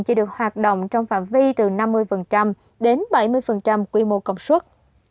chỉ được hoạt động trong phạm vi từ năm mươi đến bảy mươi quy mô công suất